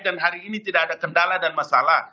dan hari ini tidak ada kendala dan masalah